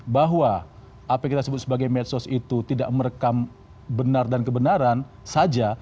bahwa apa yang kita sebut sebagai medsos itu tidak merekam benar dan kebenaran saja